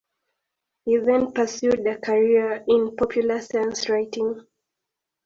He then pursued a career in popular science writing.